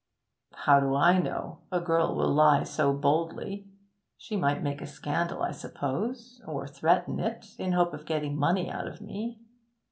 'How do I know? a girl will lie so boldly. She might make a scandal, I suppose; or threaten it, in hope of getting money out of me.'